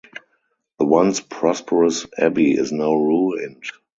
The once prosperous abbey is now ruined.